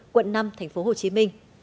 quận năm tp hcm